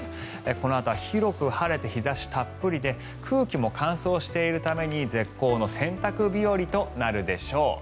このあとは広く晴れて日差したっぷりで空気も乾燥しているために絶好の洗濯日和となるでしょう。